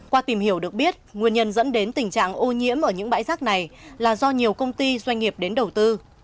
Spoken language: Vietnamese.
qua tìm hiểu được biết nguyên nhân dẫn đến tình trạng ô nhiễm ở những bãi rác này là do nhiều công ty doanh nghiệp đến đầu tư